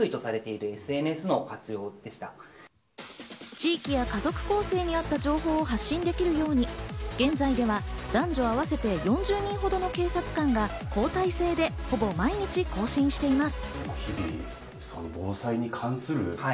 地域や家族構成に合った情報を発信できるように、現在では男女合わせて４０人ほどの警察官が交代制でほぼ毎日更新しています。